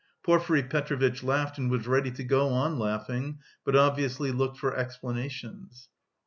Porfiry Petrovitch laughed and was ready to go on laughing, but obviously looked for explanations.